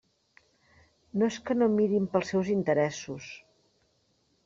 No és que no mirin pels seus interessos.